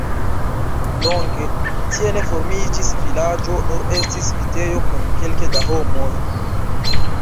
Longe tie ne formiĝis vilaĝo, nur estis vitejo kun kelke da domoj.